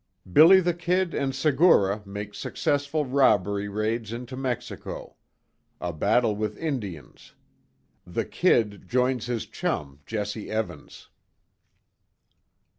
"BILLY THE KID" AND SEGURA MAKE SUCCESSFUL ROBBERY RAIDS INTO MEXICO. A BATTLE WITH INDIANS. THE "KID" JOINS HIS CHUM, JESSE EVANS.